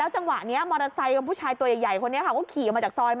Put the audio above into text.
จังหวะนี้มอเตอร์ไซต์ผู้ชายใหญ่ก็ขี่ออกมาจากซอย